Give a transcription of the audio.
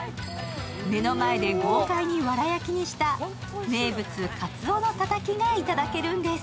目の前で豪快にわら焼きにした名物・鰹のたたきがいただけるんです。